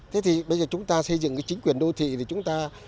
thế thì bây giờ chúng ta xây dựng cái chính quyền đô thị thì chúng ta